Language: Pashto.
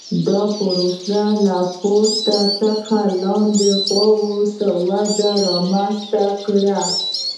دا پروسه له پورته څخه لاندې خوا ته وده رامنځته کړي